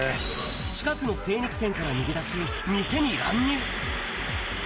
近くの精肉店から逃げ出し、店に乱入。